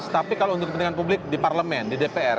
tapi kalau untuk kepentingan publik di parlemen di dpr